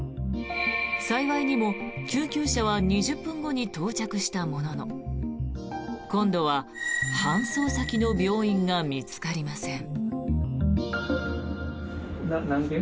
幸いにも救急車は２０分後に到着したものの今度は搬送先の病院が見つかりません。